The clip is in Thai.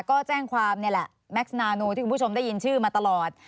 ก็แจ้งความนี่แหละแม็กซ์นานูที่คุณผู้ชมได้ยินชื่อมาตลอด